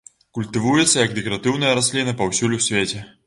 Культывуецца як дэкаратыўная расліна паўсюль у свеце.